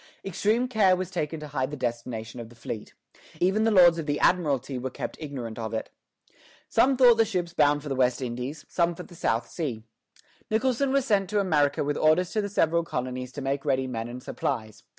Extreme care was taken to hide the destination of the fleet. Even the Lords of the Admiralty were kept ignorant of it. Some thought the ships bound for the West Indies; some for the South Sea. Nicholson was sent to America with orders to the several colonies to make ready men and supplies.